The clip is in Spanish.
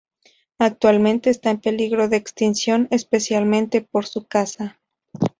Actualmente está en peligro de extinción especialmente por su caza.